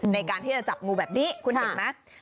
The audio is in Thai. ในการที่จะจับงูแบบนี้คุณเห็นไหม